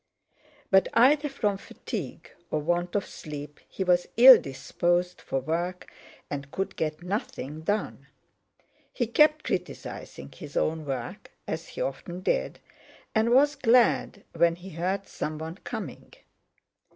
But either from fatigue or want of sleep he was ill disposed for work and could get nothing done. He kept criticizing his own work, as he often did, and was glad when he heard someone coming.